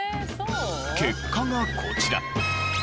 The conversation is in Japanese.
結果がこちら。